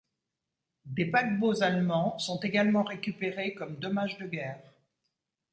Des paquebots allemands sont également récupérés comme dommage de guerre.